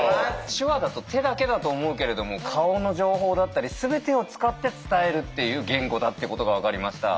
手話だと手だけだと思うけれども顔の情報だったり全てを使って伝えるっていう言語だってことが分かりました。